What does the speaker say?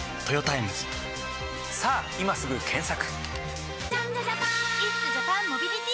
さぁ今すぐ検索！